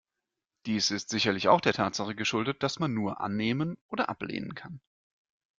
Dies ist sicherlich auch der Tatsache geschuldet, dass man nur annehmen oder ablehnen kann.